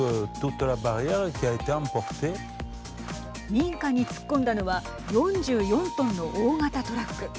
民家に突っ込んだのは４４トンの大型トラック。